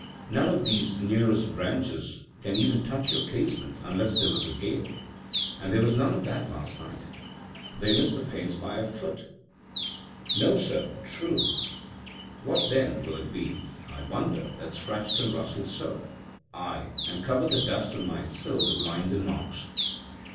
None of these nearest branches even can touch your casement unless there were a gale, and there was none of that last night. They miss the panes by a foot." "No, sir, true. What, then, will it be, I wonder, that scratched and rustled so â€" ay, and covered the dust on my sill with lines and marks?"